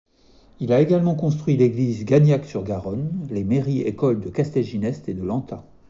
Il a également construit l'église Gagnac-sur-Garonne, les mairies-écoles de Castelginest et de Lanta.